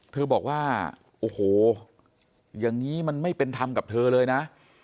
เธอบอกว่าโอ้โหอย่างนี้มันไม่เป็นธรรมกับเธอเลยนะ